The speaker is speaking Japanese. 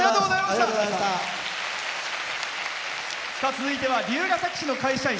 続いては龍ケ崎市の会社員。